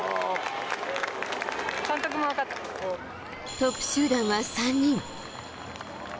トップ集団は３人。